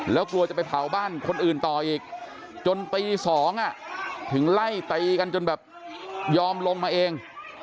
แล้วกลัวจะไปเผาบ้านคนอื่นต่ออีกจนตี๒ถึงไล่ตีกันจนแบบยอมลงมาเอง